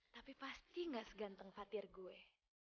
tapi pasti gak seganteng fatir gue